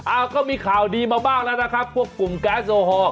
ก็มีข่าวดีมาบ้างแล้วนะครับพวกกลุ่มแก๊สโอฮอล